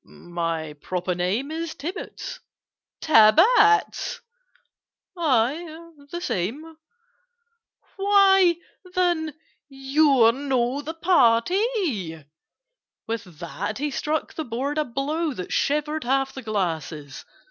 "My proper name Is Tibbets—" "Tibbets?" "Aye, the same." "Why, then YOU'RE NOT THE PARTY!" With that he struck the board a blow That shivered half the glasses.